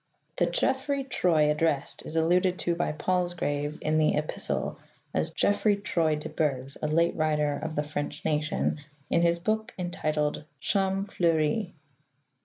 The Geoffrey Troy addressed is alluded to by Palsgrave in the " Epis tle" as "Geffrey Troy de Bourges (a late writer of the frenche nation) in his boke intituled Champ Fleury."